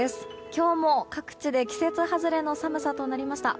今日も各地で季節外れの寒さとなりました。